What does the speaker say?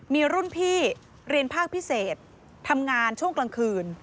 มีรุ่นพี่เรียนภาคพิเศษทำงานช่วงกลางคืน